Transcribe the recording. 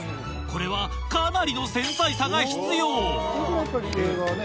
これはかなりの繊細さが必要対決です！